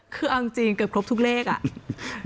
คือเอาจริงเกือบครบทุกเลขอ่ะ